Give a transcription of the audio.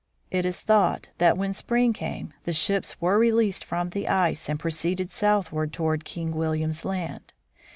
It is thought that when spring came, the ships were released from the ice and proceeded southward toward King William's Land.